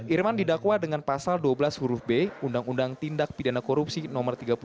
irman didakwa dengan pasal dua belas huruf b undang undang tindak pidana korupsi no tiga puluh dua